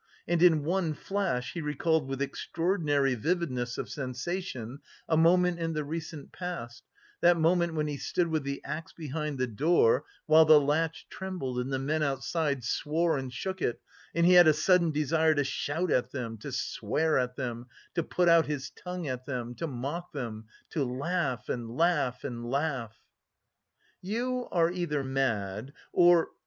And in one flash he recalled with extraordinary vividness of sensation a moment in the recent past, that moment when he stood with the axe behind the door, while the latch trembled and the men outside swore and shook it, and he had a sudden desire to shout at them, to swear at them, to put out his tongue at them, to mock them, to laugh, and laugh, and laugh! "You are either mad, or..."